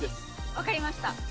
分かりました！